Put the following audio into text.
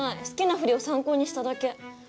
好きな振りを参考にしただけ。